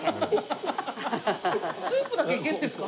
スープだけいけるんですか？